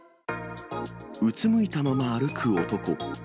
うつむいたまま歩く男。